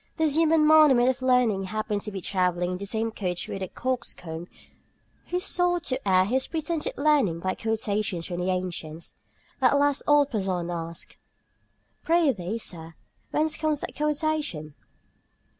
This human monument of learning happened to be travelling in the same coach with a coxcomb who sought to air his pretended learning by quotations from the ancients. At last old Porson asked: "Pri'thee, sir, whence comes that quotation?"